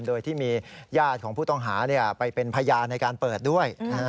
โดยที่มีญาติของผู้ต้องหาไปเป็นพยานในการเปิดด้วย